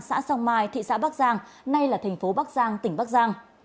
xã song mai thị xã bắc giang nay là thành phố bắc giang tỉnh bắc giang